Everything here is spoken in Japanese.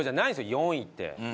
４位って。